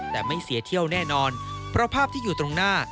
แต่ไม่เสียเที่ยวแน่นอนเพราะภาพที่อยู่ตรงหน้า